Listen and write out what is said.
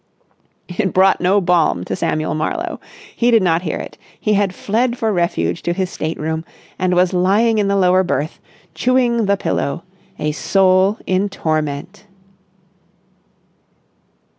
It brought no balm to Samuel Marlowe. He did not hear it. He had fled for refuge to his state room and was lying in the lower berth, chewing the pillow, a soul in torment.